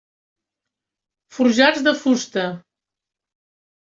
Forjats de fusta.